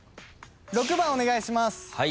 ６番お願いします。